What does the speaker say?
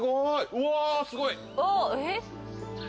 うわぁすごい！